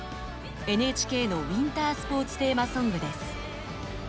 ＮＨＫのウィンタースポーツテーマソングです。